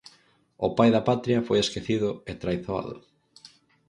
O pai da patria foi esquecido e traizoado.